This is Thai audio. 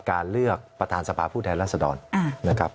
เลือกประธานสภาผู้แทนรัศดรนะครับ